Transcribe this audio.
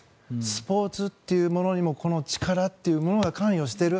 スポーツっていうものにもこの力というものが関与している。